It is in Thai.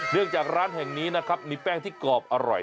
จากร้านแห่งนี้นะครับมีแป้งที่กรอบอร่อย